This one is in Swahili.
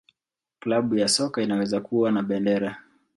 Klabu ya soka inaweza kuwa na bendera.